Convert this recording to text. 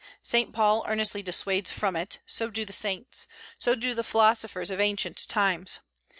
Saint Paul earnestly dissuades from it. So do the saints. So do the philosophers of ancient times.